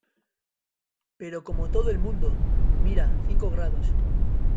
pero como todo el mundo. mira, cinco grados .